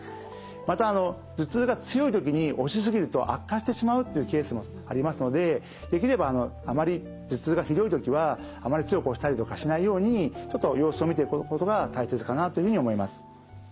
また頭痛が強いときに押し過ぎると悪化してしまうっていうケースもありますのでできれば頭痛がひどいときはあまり強く押したりとかしないようにちょっと様子を見ていくことが大切かなというふうに思います。